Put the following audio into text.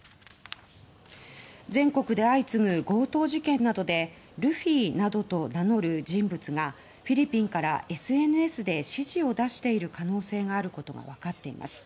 全国で相次ぐ強盗事件などでルフィなどと名乗る人物がフィリピンからＳＮＳで指示を出している可能性があることがわかっています。